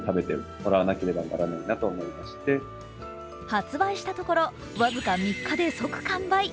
発売したところ、僅か３日で即完売。